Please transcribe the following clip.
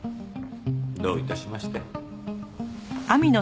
どういたしまして。